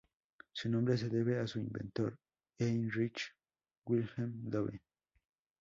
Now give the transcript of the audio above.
Su nombre se debe a su inventor, Heinrich Wilhelm Dove.